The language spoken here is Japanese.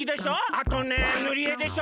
あとねぬり絵でしょ